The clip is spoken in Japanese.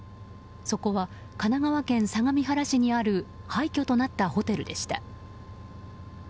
そこは、神奈川県相模原市にある廃虚となったホテルでした。